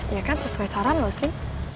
ya kan sesuai saran loh sih